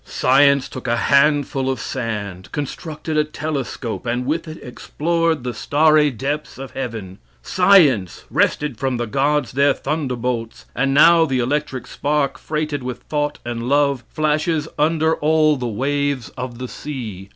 Science took a handful of sand, constructed a telescope, and with it explored the starry depths of heaven. Science wrested from the gods their thunderbolts; and now, the electric spark freighted with thought and love, flashes under all the waves of the sea.